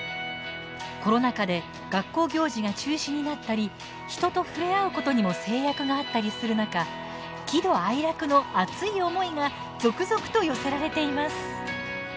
コロナ禍で学校行事が中止になったり人と触れ合うことにも制約があったりする中喜怒哀楽の熱い思いが続々と寄せられています。